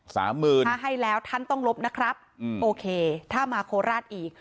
ถ้าให้แล้วท่านต้องลบนะครับโอเคถ้ามาโคราชอีก